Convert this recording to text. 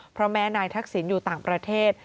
เพราะแม้นายทักษิณอยู่ต่างประเทศ